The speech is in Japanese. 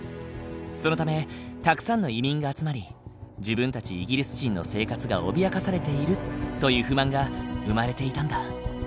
そのためたくさんの移民が集まり自分たちイギリス人の生活が脅かされているという不満が生まれていたんだ。